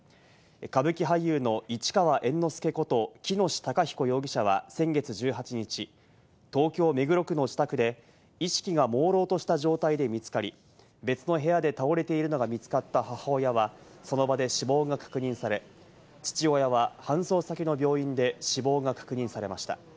歌舞伎俳優の市川猿之助こと喜熨斗孝彦容疑者は先月１８日、東京・目黒区の自宅で意識がもうろうとした状態で見つかり、別の部屋で倒れているのが見つかった母親は、その場で死亡が確認され、父親は搬送先の病院で死亡が確認されました。